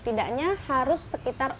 setidaknya harus sekitar empat jam